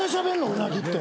うなぎって。